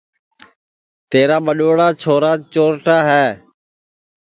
تیرا ٻڈؔوڑا چھورا چورٹا ہے